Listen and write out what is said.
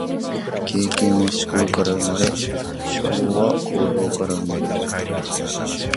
経験は思考から生まれ、思考は行動から生まれる。